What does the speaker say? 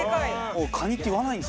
もうカニって言わないんですね。